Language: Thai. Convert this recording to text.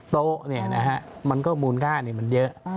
๒๐โต๊ะนะครับมันก็มูลค่านี้มันเยอะ